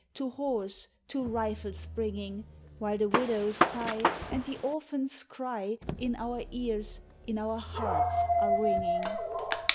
To horse, to rifle springing, While the widow's sigh And the orphan's cry In our ears, in our hearts are ringing!